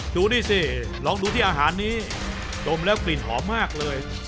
ดูสิลองดูที่อาหารนี้จมแล้วกลิ่นหอมมากเลย